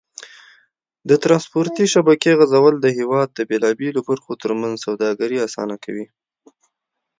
د ترانسپورتي شبکې غځول د هېواد د بېلابېلو برخو تر منځ سوداګري اسانه کوي.